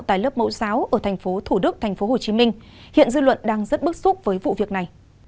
tại lớp mẫu giáo ở thành phố thủ đức thành phố hồ chí minh hiện dư luận đang rất bức xúc với vụ việc này